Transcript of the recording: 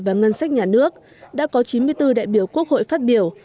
và ngân sách nhà nước đã có chín mươi bốn đại biểu quốc hội phát biểu